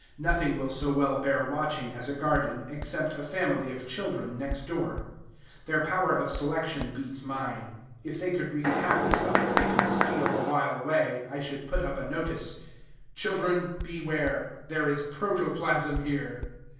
Nothing will so well bear watching as a garden, except a family of children next door. Their power of selection beats mine. If they could read half as well as they can steal awhile away, I should put up a notice, "Children, beware! There is Protoplasm here."